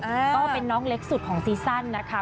ก็เป็นน้องเล็กสุดของซีซั่นนะคะ